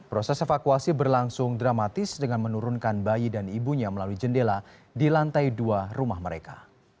proses evakuasi berlangsung dramatis dengan menurunkan bayi dan ibunya melalui jendela di lantai dua rumah mereka